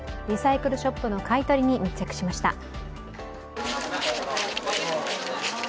リサイクルショップの買い取りに密着しました。